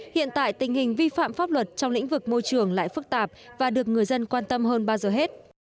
hiện tại tình hình vi phạm pháp luật trong lĩnh vực môi trường lại phức tạp và được người dân quan tâm hơn bao giờ hết